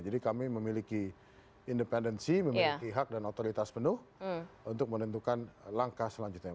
jadi kami memiliki independensi memiliki hak dan otoritas penuh untuk menentukan langkah selanjutnya